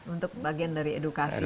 untuk bagian dari edukasinya